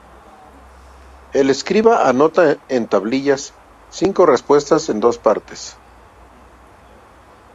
El escriba anota en la tablilla cinco respuestas en dos partes.